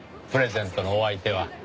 プレゼントのお相手は。